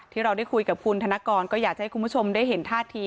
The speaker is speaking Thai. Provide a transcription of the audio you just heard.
ที่เราได้คุยกับคุณธนกรก็อยากจะให้คุณผู้ชมได้เห็นท่าที